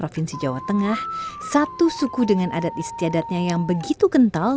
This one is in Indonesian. provinsi jawa tengah satu suku dengan adat istiadatnya yang begitu kental